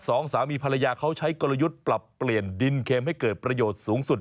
สองสามีภรรยาเขาใช้กลยุทธ์ปรับเปลี่ยนดินเข็มให้เกิดประโยชน์สูงสุด